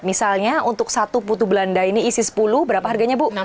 misalnya untuk satu putu belanda ini isi sepuluh berapa harganya bu